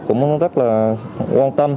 cũng rất là quan tâm